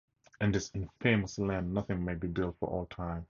In this infamous land nothing may be built for all time.